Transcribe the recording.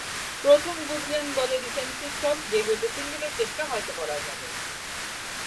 প্রথমে good length বলে defensive shot, যেগুলোতে সিঙ্গেলের চেষ্টা হয়তো করা যাবে।